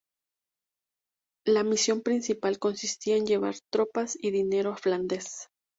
La misión principal consistía en llevar tropas y dinero a Flandes.